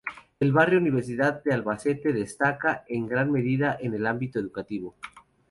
El barrio Universidad de Albacete destaca en gran medida en el ámbito educativo.